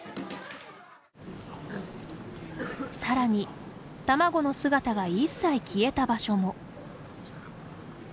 さらに、卵の姿が一切消えた場所も。